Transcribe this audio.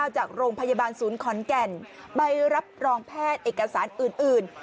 จากโรงพยาบาลศูนย์ขอนแก่นใบรับรองแพทย์เอกสารอื่น